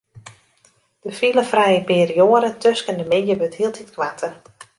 De filefrije perioade tusken de middei wurdt hieltyd koarter.